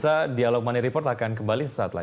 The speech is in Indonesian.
karena kalau kita push lebih cepat sekarang bisa juga lupa